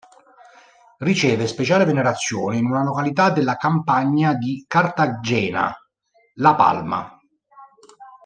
Riceve speciale venerazione in una località della campagna di Cartagena, La Palma.